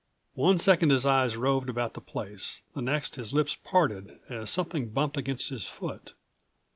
One second his eyes roved about the place; the next his lips parted as something bumped against his foot.